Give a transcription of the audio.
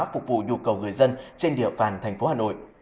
phục vụ nhu cầu người dân trên địa bàn tp hà nội